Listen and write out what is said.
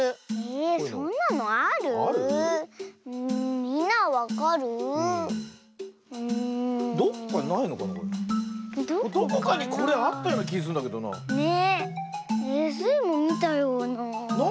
えっスイもみたような。